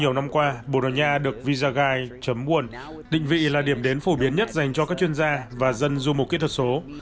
hội thi là điểm đến phổ biến nhất dành cho các chuyên gia và dân du mục kỹ thuật số